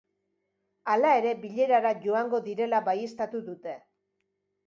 Hala ere, bilerara joango direla baieztatu dute.